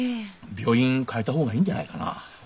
病院かえた方がいいんじゃないかな？